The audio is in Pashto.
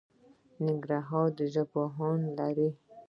ننګرهار ژبپوهان لري